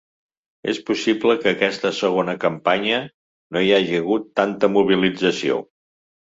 És possible que aquesta segona campanya no hi hagi hagut tanta mobilització.